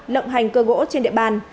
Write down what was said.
lộng hành cơ gỗ trên địa bàn